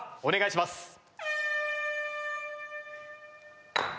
お願いします。